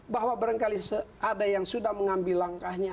bahwa barangkali ada yang sudah mengambil langkahnya